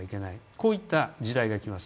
こういった時代が来ます。